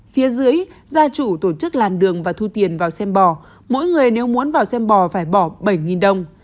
phía dưới gia chủ tổ chức làn đường và thu tiền vào xem bò mỗi người nếu muốn vào xem bò phải bỏ bảy đồng